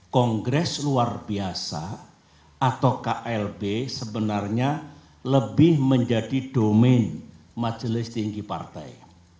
kongres luar biasa atau klb sebenarnya lebih menjadi domain majelis tinggi partai